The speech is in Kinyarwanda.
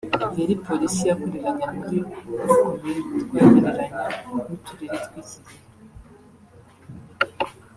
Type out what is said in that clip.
yari Polisi yakoreraga muri buri komini (twagereranya n’uturere tw’iki gihe)